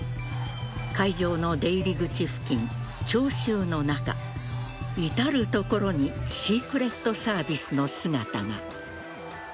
会場の出入り口付近、聴衆の中至る所にシークレットサービスの姿が。